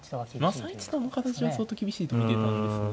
まあ３一との形は相当厳しいと見てたんですが。